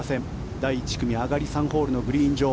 第１組上がり３ホールのグリーン上。